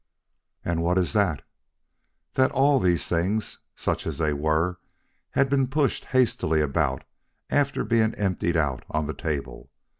"And what is that?" "That all these things, such as they were, had been pushed hastily about after being emptied out on the table.